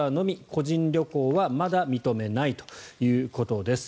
個人旅行はまだ認めないということです。